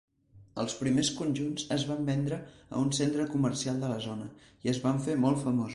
Els primers conjunts es van vendre a un centre comercial de la zona i es van fer molt famosos.